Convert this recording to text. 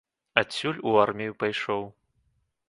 Адсюль у армію пайшоў.